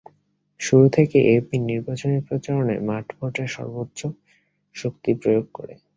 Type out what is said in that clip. শুরু থেকে এএপি নির্বাচনি প্রচারণায় মাঠ পর্যায়ে সর্ব্বোচ্য শক্তি প্রয়োগ করে।